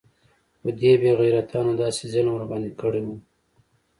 خو دې بې غيرتانو داسې ظلم ورباندې كړى و.